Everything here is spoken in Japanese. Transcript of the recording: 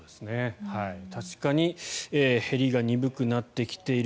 確かに減りが鈍くなってきている。